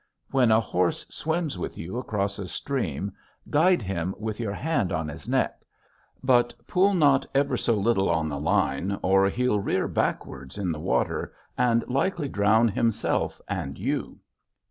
When a horse swims with you across a stream guide him with your hand on his neck, but pull not ever so little on the line or he'll rear backwards in the water and likely drown himself and you.